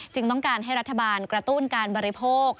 ต้องการให้รัฐบาลกระตุ้นการบริโภค